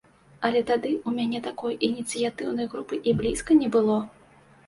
Але тады ў мяне такой ініцыятыўнай групы і блізка не было.